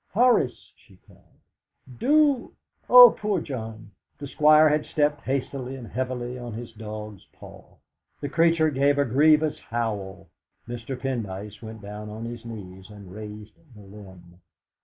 "Horace!" she cried, "do Oh, poor John!" The Squire had stepped hastily and heavily on to his dog's paw. The creature gave a grievous howl. Mr. Pendyce went down on his knees and raised the limb.